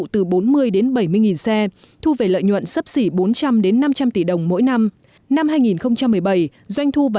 từ bốn mươi đến bảy mươi xe thu về lợi nhuận sấp xỉ bốn trăm linh năm trăm linh tỷ đồng mỗi năm năm hai nghìn một mươi bảy doanh thu và